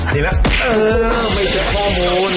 ดีแล้วไม่ใช่พ่อมูล